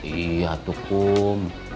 iya tuh kum